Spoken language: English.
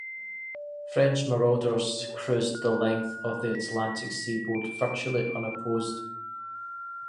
French marauders cruised the length of the Atlantic seaboard virtually unopposed.